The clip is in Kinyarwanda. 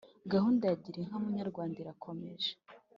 Gahunda ya girinka munyarwanda irakomeje